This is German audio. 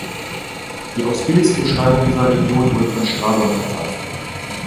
Die ausführlichste Beschreibung dieser Region wurde von Strabon verfasst.